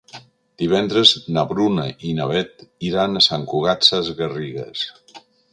Divendres na Bruna i na Beth iran a Sant Cugat Sesgarrigues.